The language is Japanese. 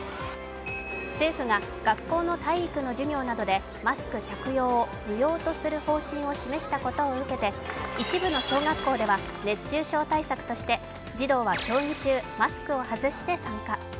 政府が、学校の体育の授業などでマスク着用を不要とする方針を示したことを受けて一部の小学校では熱中症対策として児童は競技中、マスクを外して参加